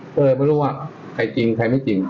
ก็เลยไม่รู้ว่าใครจริงใครไม่จริง